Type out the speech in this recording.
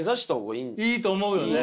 いいと思うよね。